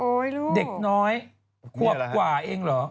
โอ๊ยลูกนี่แหละฮะเด็กน้อยควบกว่าเองเหรอ